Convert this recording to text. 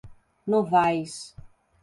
Novais